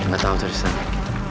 gak tau tersana